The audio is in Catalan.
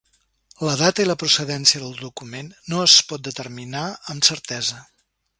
La data i la procedència del document no es pot determinar amb certesa.